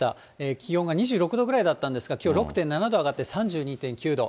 気温が２６度ぐらいだったんですが、きょう６．７度上がって３２．９度。